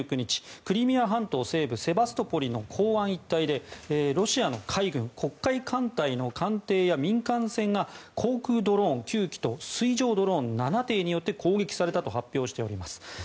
クリミア半島西部セバストポリの港湾一帯でロシアの海軍黒海艦隊の艦艇や民間船が航空ドローン９基と水上ドローン７艇によって攻撃されたと発表しております。